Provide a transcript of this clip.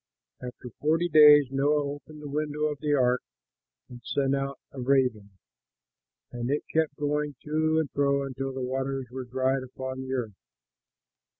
After forty days Noah opened the window of the ark and sent out a raven; and it kept going to and fro until the waters were dried up on the earth.